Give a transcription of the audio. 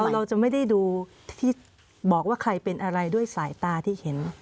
เราจะไม่ได้ดูที่บอกว่าใครเป็นอะไรด้วยสายตาที่เห็น